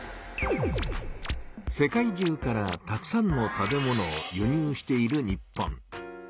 世界中からたくさんの食べ物をゆ入している日本。